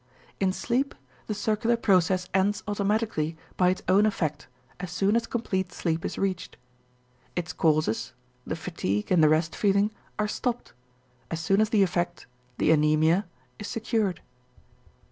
In sleep the circular process ends automatically by its own effect as soon as complete sleep is reached. Its causes, the fatigue and the rest feeling, are stopped, as soon as the effect, the anæmia, is secured.